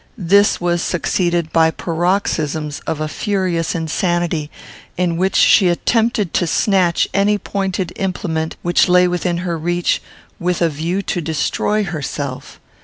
This was succeeded by paroxysms of a furious insanity, in which she attempted to snatch any pointed implement which lay within her reach, with a view to destroy herself.